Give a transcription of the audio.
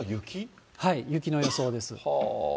雪の予想です。